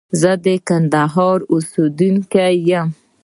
زه د کندهار اوسيدونکي يم.